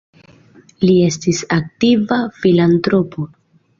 Li estis aktiva filantropo.